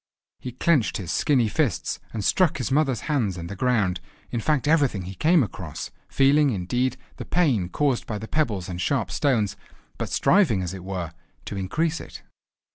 He clenched his skinny fists, and struck his mother's hands and the ground, in fact everything he came across, feeling, indeed, the pain caused by the pebbles and sharp stones, but striving, as it were, to increase it.